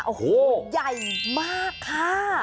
โอ้โหใหญ่มากค่ะ